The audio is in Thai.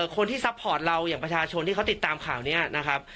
ซัพพอร์ตเราอย่างประชาชนที่เขาติดตามข่าวนี้นะครับ